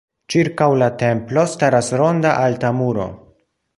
Ĉirkaŭ la templo staras ronda alta muro.